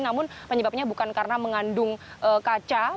namun penyebabnya bukan karena mengandung kaca